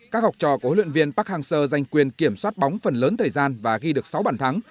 các học trò của huyện park hang seo giành quyền kiểm soát bóng phần lớn thời gian và ghi được sáu bản thắng